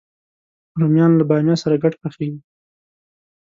رومیان له بامیه سره ګډ پخېږي